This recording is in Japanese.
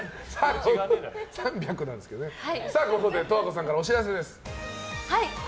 ここで十和子さんからお知らせです。